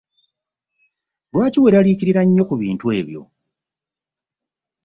Lwaki weeraliikirira nnyo ku bintu ebyo.